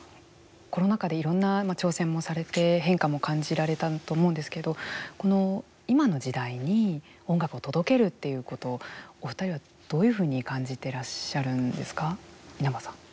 コロナ禍で、いろんな挑戦もされて変化も感じられたと思うんですけど、この今の時代に音楽を届けるということをお二人は、どういうふうに感じていらっしゃるんですか、稲葉さん。